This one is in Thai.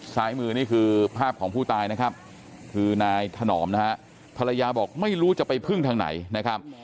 ซ้ายมือนี่คือภาพของผู้ตายนะครับคือนายถนอมนะฮะภรรยาบอกไม่รู้จะไปพึ่งทางไหนนะครับ